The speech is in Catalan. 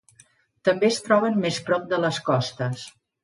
També es troben més prop de les costes.